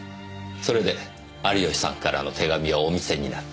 それで有吉さんからの手紙をお見せになった。